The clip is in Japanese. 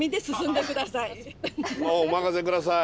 お任せ下さい。